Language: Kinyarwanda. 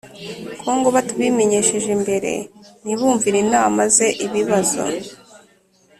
Kongo batabimenyesheje mbere ntibumvira inama ze Ibibazo